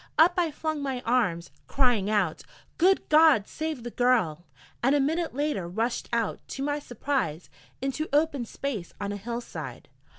Up I flung my arms, crying out: 'Good God! save the girl!' and a minute later rushed out, to my surprise, into open space on a hill side.